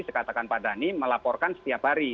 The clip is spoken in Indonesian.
dikatakan pak dhani melaporkan setiap hari